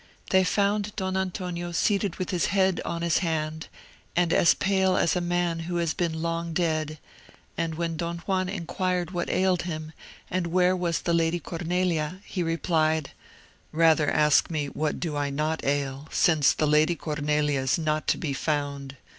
They found Don Antonio seated with his head on his hand, and as pale as a man who has been long dead, and when Don Juan inquired what ailed him, and where was the Lady Cornelia, he replied, "Rather ask me what do I not ail, since the Lady Cornelia is not to be found.